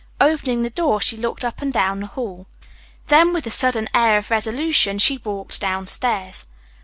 Opening the door, she looked up and down the hall. Then, with a sudden air of resolution, she walked downstairs.